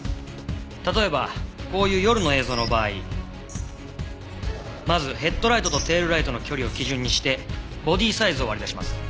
例えばこういう夜の映像の場合まずヘッドライトとテールライトの距離を基準にしてボディーサイズを割り出します。